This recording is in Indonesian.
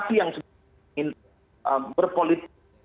sih yang berpolitik